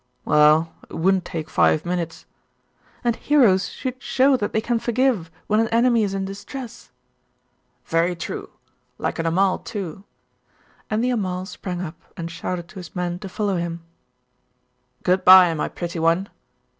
'Well, it wouldn't take five minutes.' 'And heroes should show that they can forgive when an enemy is in distress.' 'Very true! Like an Amal too!' And the Amal sprang up and shouted to his men to follow him. 'Good bye, my pretty one.